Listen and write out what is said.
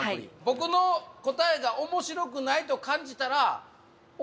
僕の答えが面白くないと感じたら。